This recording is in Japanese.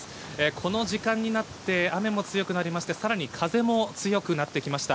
この時間になって、雨も強くなりまして、さらに風も強くなってきました。